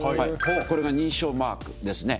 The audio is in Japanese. これが認証マークですね。